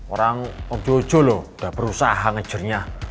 orang om jojo loh udah berusaha ngejurnya